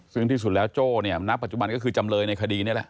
ซึ่งที่สุดแล้วโจ้เนี่ยณปัจจุบันก็คือจำเลยในคดีนี่แหละ